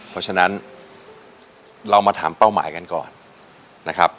เพราะฉะนั้นเรามาถามเป้าหมายกันก่อนนะครับ